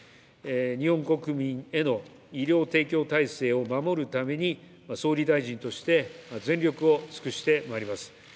日本国民への医療提供体制を守るために、総理大臣として、全力を尽くしてまいります。